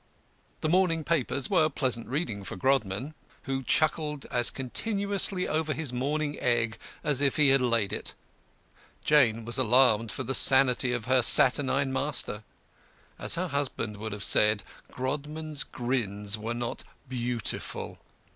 The morning papers were pleasant reading for Grodman, who chuckled as continuously over his morning egg, as if he had laid it. Jane was alarmed for the sanity of her saturnine master. As her husband would have said, Grodman's grins were not Beautiful.